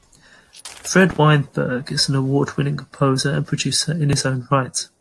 Fred Weinberg is an award-winning composer and producer in his own right.